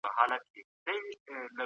تاسي ولي د پښتو په غږ کي تغيیر راوستی وو؟